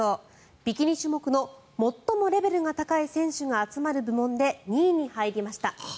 ビキニ種目の最もレベルが高い選手が集まる部門で２位に入りました。